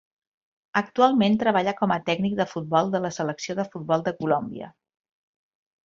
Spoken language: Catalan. Actualment treballa com a tècnic de futbol de la selecció de futbol de Colòmbia.